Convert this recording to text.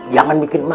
jangan bikin emak